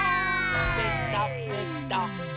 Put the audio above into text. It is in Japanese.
ぺたぺた。